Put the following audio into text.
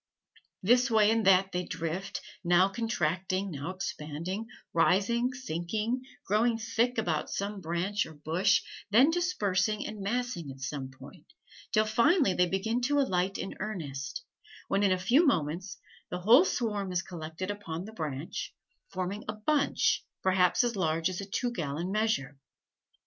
This way and that way they drift, now contracting, now expanding, rising, sinking, growing thick about some branch or bush, then dispersing and massing at some other point, till finally they begin to alight in earnest, when in a few moments the whole swarm is collected upon the branch, forming a bunch perhaps as large as a two gallon measure.